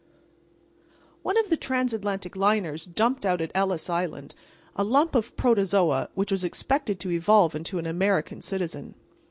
One of the transatlantic liners dumped out at Ellis Island a lump of protozoa which was expected to evolve into an American citizen.